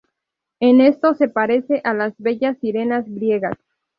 En esto se parece a las bellas sirenas griegas.